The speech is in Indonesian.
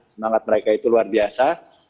semangat mereka itu luar biasa